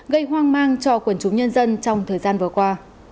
gây hoang mang cho quần chúng nhân dân trong thời gian vừa qua